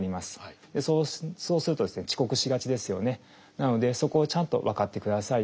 なのでそこをちゃんと分かってくださいと。